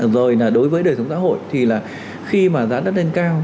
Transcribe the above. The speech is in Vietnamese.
rồi là đối với đời sống xã hội thì là khi mà giá đất lên cao